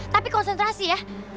tapi konsentrasi ya